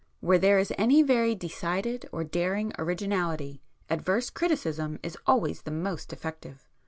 Where there is any very decided or daring originality, adverse criticism is always the most effective.